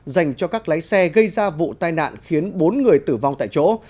dành cho các lái xe gây ra vụ tai nạn khiến bốn người tử vong tại chỗ